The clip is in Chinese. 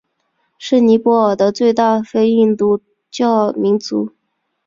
是尼泊尔的最大非印度教民族。